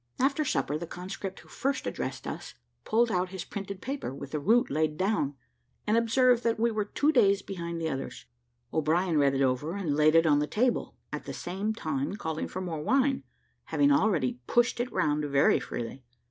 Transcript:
After supper the conscript who first addressed us pulled out his printed paper, with the route laid down, and observed that we were two days behind the others. O'Brien read it over, and laid it on the table, at the same time calling for more wine, having already pushed it round very freely.